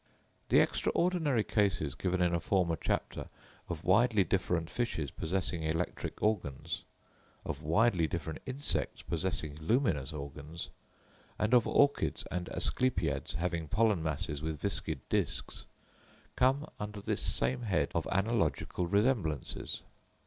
The extraordinary cases given in a former chapter, of widely different fishes possessing electric organs—of widely different insects possessing luminous organs—and of orchids and asclepiads having pollen masses with viscid discs, come under this same head of analogical resemblances.